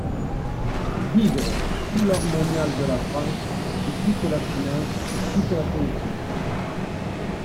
Bigre ! tout l'armorial de la France, et toute la finance, et toute la politique.